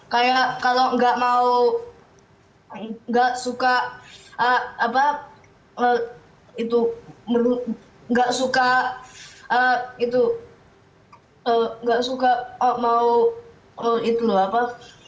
kayak kalau nggak mau nggak suka apa itu nggak suka itu nggak suka mau itu loh apa